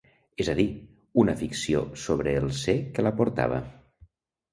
És a dir, una ficció sobre el ser que la portava.